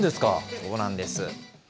そうなんです。